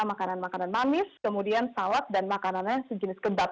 makanan makanan manis kemudian salad dan makanannya sejenis kebab